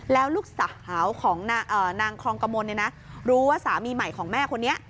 แล้วลูกสาวของนางคลองกมลรู้ว่าสามีใหม่ของแม่คนนี้